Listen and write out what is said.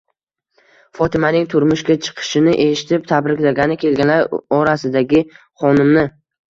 Fotimaning turmushga chiqishini eshitib, tabriklagani kelganlar orasidagi Xonimni